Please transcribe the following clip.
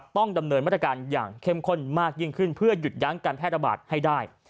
ต้องดำเนินมาตรการอย่างเข้มข้นมากยิ่งขึ้นเพื่อหยุดยั้งการแพร่ระบาดให้ได้